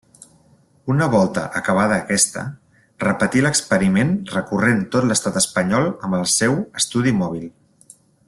Una volta acaba aquesta, repetí l'experiment recorrent tot l'Estat espanyol amb el seu estudi mòbil.